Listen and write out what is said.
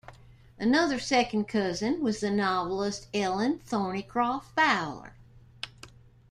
Another second cousin was the novelist Ellen Thorneycroft Fowler.